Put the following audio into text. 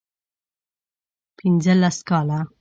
پنځه لس کاله